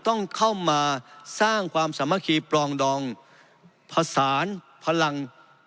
ต้องเข้ามาสร้างความสามัคคีปรองดองผสานพลัง